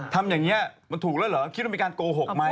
ทำอย่างนี้มันถูกแล้วเหรอคิดว่ามีการโกหกไหม